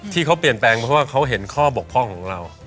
ที่เขาเปลี่ยนแปลงเพราะว่าเขาเห็นข้อบกพร่องของเรา